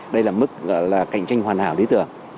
đây là mức gọi là cạnh tranh hoàn hảo lý tưởng